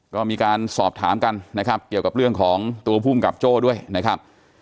ก็มีการสอบถามกันนะครับเกี่ยวกับเรื่องของตัวภูมิกับโจ้ด้วยนะครับ